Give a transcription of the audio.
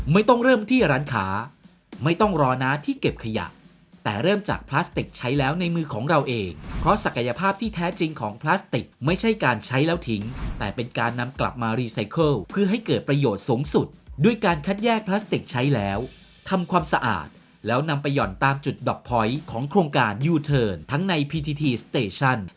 ไม่ต้องเริ่มที่ร้านค้าไม่ต้องรอนะที่เก็บขยะแต่เริ่มจากพลาสติกใช้แล้วในมือของเราเองเพราะศักยภาพที่แท้จริงของพลาสติกไม่ใช่การใช้แล้วทิ้งแต่เป็นการนำกลับมารีไซเคิลเพื่อให้เกิดประโยชน์สูงสุดด้วยการคัดแยกพลาสติกใช้แล้วทำความสะอาดแล้วนำไปห่อนตามจุดดอกพอยต์ของโครงการยูเทิร์นทั้งในพีทีทีสเตชั่น